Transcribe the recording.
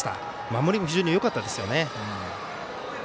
守りも非常によかったですよね。